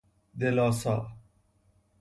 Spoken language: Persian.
دلاسا